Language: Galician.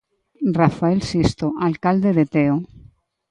Rafael Sisto, alcalde de Teo.